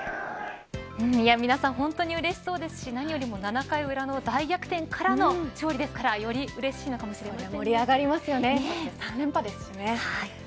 皆さん本当にうれしそうですし何よりも７回裏からの大逆転勝利ですからうれしいかもしれません。